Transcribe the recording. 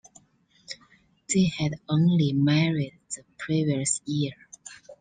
They had only married the previous year.